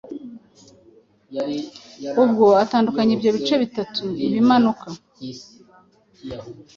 ubwo atandukanya ibyo bice bitatu - Ibimanuka,